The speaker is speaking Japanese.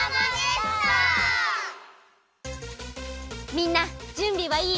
みんなじゅんびはいい？